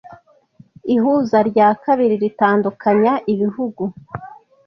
Ihuza rya kabiri ritandukanya ibihugu